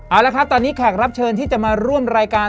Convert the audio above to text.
เอาละครับตอนนี้แขกรับเชิญที่จะมาร่วมรายการ